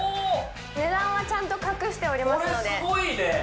値段はちゃんと隠しておりますのでこれすごいね！